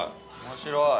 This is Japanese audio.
面白い。